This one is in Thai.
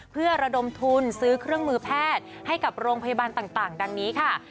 เพื่อระดมทุนซื้อเครื่องมือแพทย์ให้กับโรงพยาบาลต่างดังนี้ค่ะ